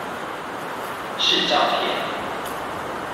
是詐騙